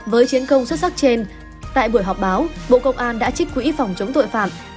với chiến công xuất sắc trên tại buổi họp báo bộ công an đã trích quỹ phòng chống tội phạm